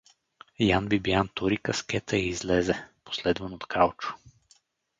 Ян Бибиян тури каскета и излезе, последван от Калчо.